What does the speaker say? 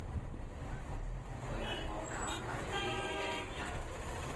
佢係我揀嚟呢度嘅原因